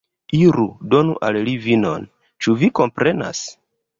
Iru, donu al li vinon, ĉu vi komprenas?